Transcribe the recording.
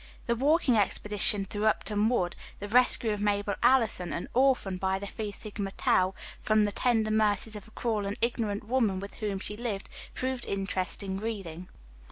The walking expedition through Upton Wood, the rescue of Mabel Allison, an orphan, by the Phi Sigma Tau, from the tender mercies of a cruel and ignorant woman with whom she lived, proved interesting reading.